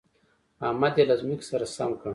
احمد يې له ځمکې سره سم کړ.